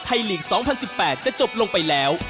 ลีก๒๐๑๘จะจบลงไปแล้ว